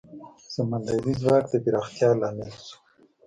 سمندري ځواک د پراختیا لامل شو.